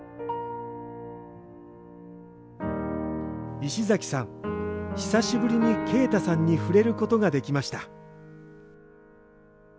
石崎さん、久しぶりに慶太さんに触れることができました。